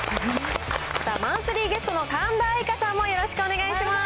マンスリーゲストの神田愛花さんもよろしくお願いします。